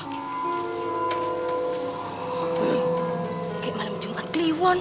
kejepit malam jumat